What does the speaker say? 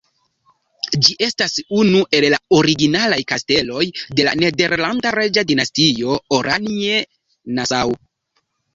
Ĝi estas unu el la originaj kasteloj de la nederlanda reĝa dinastio Oranje-Nassau.